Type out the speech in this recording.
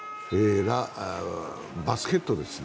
バスケットですね。